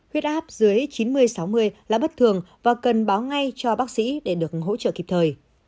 huyết áp dưới chín mươi sáu mươi là bất thường và cần báo ngay cho bác sĩ để được hỗ trợ kịp thời